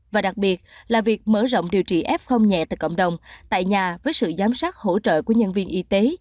và đặc biệt là việc mở rộng điều trị f nhẹ tại cộng đồng tại nhà với sự giám sát hỗ trợ của nhân viên y tế